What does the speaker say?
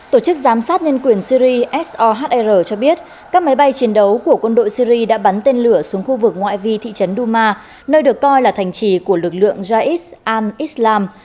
tổ chức giám sát nhân quyền syri sohr cho biết các máy bay chiến đấu của quân đội syri đã bắn tên lửa xuống khu vực ngoại vi thị trấn duma nơi được coi là thành trì của lực lượng jais an islam